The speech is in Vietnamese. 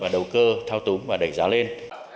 đầu cơ thao túng và đẩy giá lên